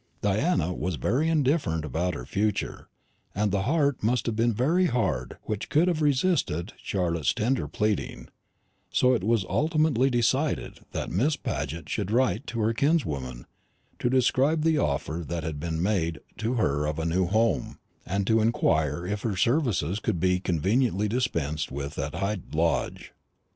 Diana was very indifferent about her future, and the heart must have been very hard which could have resisted Charlotte's tender pleading; so it was ultimately decided that Miss Paget should write to her kinswoman to describe the offer that had been made to her of a new home, and to inquire if her services could be conveniently dispensed with at Hyde Lodge.